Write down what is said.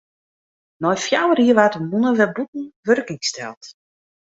Nei fjouwer jier waard de mûne wer bûten wurking steld.